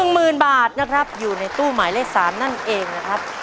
หมื่นบาทนะครับอยู่ในตู้หมายเลข๓นั่นเองนะครับ